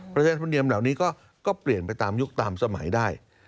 ธรรมเนียมเหล่านี้ก็เปลี่ยนไปตามยุคตามสมัยได้